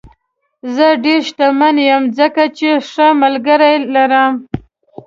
زه ډېر شتمن یم ځکه چې ښه ملګري لرم.